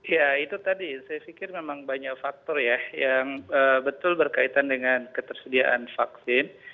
ya itu tadi saya pikir memang banyak faktor ya yang betul berkaitan dengan ketersediaan vaksin